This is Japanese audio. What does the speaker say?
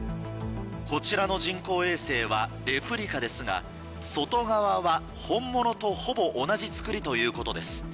こちらの人工衛星はレプリカですが外側は本物とほぼ同じ作りということです。